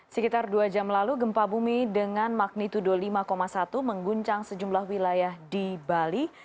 sekitar dua jam lalu gempa bumi dengan magnitudo lima satu mengguncang sejumlah wilayah di bali